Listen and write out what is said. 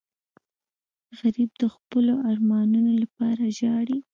غریب د خپلو ارمانونو لپاره ژاړي